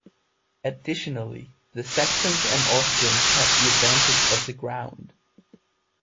Additionally, the Saxons and Austrians had the advantage of the ground.